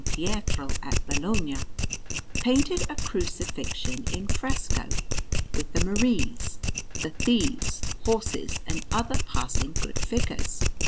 Pietro at Bologna, painted a Crucifixion in fresco, with the Maries, the Thieves, horses, and other passing good figures.